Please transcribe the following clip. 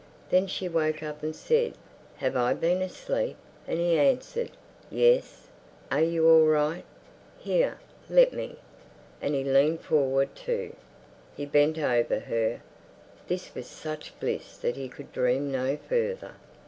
Then she woke up and said, "Have I been asleep?" and he answered, "Yes. Are you all right? Here, let me—" And he leaned forward to.... He bent over her. This was such bliss that he could dream no further.